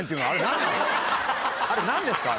あれ何ですか？